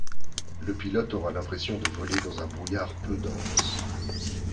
Le pilote aura l'impression de voler dans un brouillard peu dense.